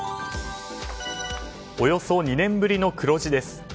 およそ２年ぶりの黒字です。